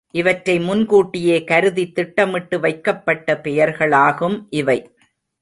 இவற்றை முன்கூட்டியே கருதித் திட்டமிட்டு வைக்கப்பட்ட பெயர்களாகும் இவை.